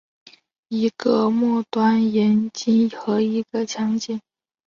一个末端炔烃和一个强碱。